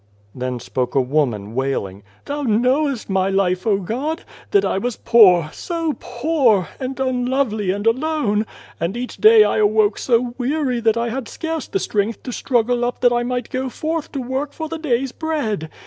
Then spoke a woman, wailing :" Thou knowest my life, O God ! that I was poor so poor ! and unlovely, and . alone. And each day I awoke so weary that I had scarce the strength to struggle up that I might go 39 God and the Ant forth to work for the day's bread.